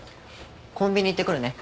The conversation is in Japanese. コンビニ行ってくるね。